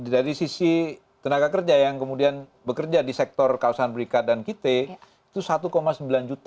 dari sisi tenaga kerja yang kemudian bekerja di sektor kawasan berikat dan kite itu satu sembilan juta